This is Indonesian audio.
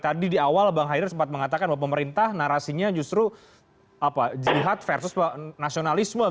tadi di awal bang haider sempat mengatakan bahwa pemerintah narasinya justru jihad versus nasionalisme